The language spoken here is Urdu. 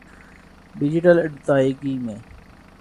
ڈیجیٹل ادائیگی م